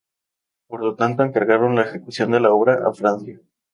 Por lo tanto, encargaron la ejecución de la obra a Francia.